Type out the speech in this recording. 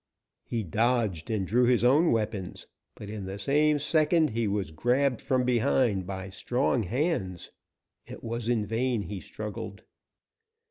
He dodged and drew his own weapons; but, in the same second, he was grabbed from behind by strong hands. It was in vain he struggled.